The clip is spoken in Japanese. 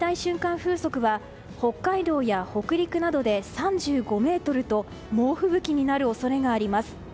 風速は北海道や北陸などで３５メートルと猛吹雪になる恐れがあります。